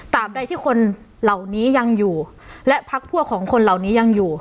ตามใดที่คนเหล่านี้ยังอยู่และพักพวกของคนเหล่านี้ยังอยู่